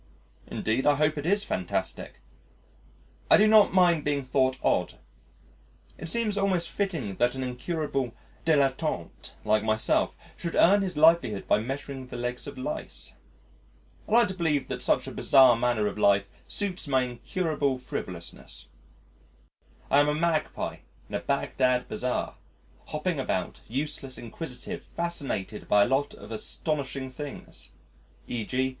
Indeed, I hope it is fantastic. I do not mind being thought odd. It seems almost fitting that an incurable dilettante like myself should earn his livelihood by measuring the legs of lice. I like to believe that such a bizarre manner of life suits my incurable frivolousness. I am a Magpie in a Bagdad bazaar, hopping about, useless, inquisitive, fascinated by a lot of astonishing things: _e.g.